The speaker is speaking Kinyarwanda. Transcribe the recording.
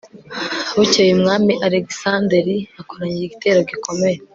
bukeye, umwami alegisanderi akoranya igitero gikomeye